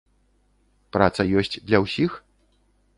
Праца ёсць для ўсіх?